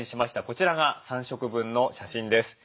こちらが３食分の写真です。